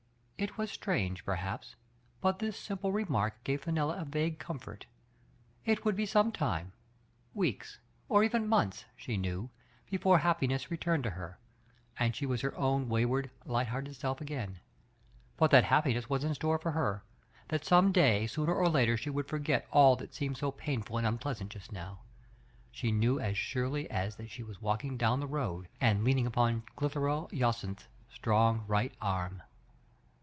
'* It was strange, perhaps, but this simple remark gave Fenella a vague comfort. It would be some time — weeks, or even months — she knew, before happiness returned to her, and she was her own wayward, light hearted self again ; but that hap piness was in store for her, that some day, sooner or later, she would forget all that seemed so pain ful and unpleasant just now, she knew as surely as that she was walking* down the road, and leaning upon Clitheroe Jacynth's strong right arm.